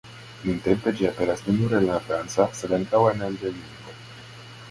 Nuntempe ĝi aperas ne nur en la franca, sed ankaŭ en aliaj lingvoj.